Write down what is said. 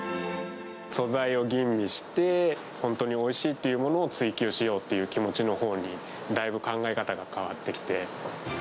素材を吟味して、本当においしいっていうものを追求しようっていう気持ちのほうに、だいぶ考え方が変わってきて。